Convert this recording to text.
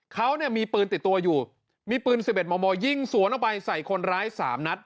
เขาเนี่ยมีปืนติดตัวอยู่มีปืน๑๑มมยิงสวนออกไปใส่คนร้าย๓นัด